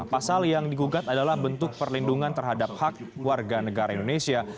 pasal yang digugat adalah bentuk perlindungan terhadap hak warga negara indonesia